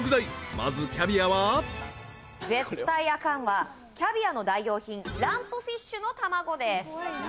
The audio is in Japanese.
まずキャビアは絶対アカンはキャビアの代用品ランプフィッシュの卵です何？